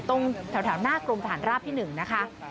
ตรงแถวหน้ากรมฐานราบที่๑นะคะ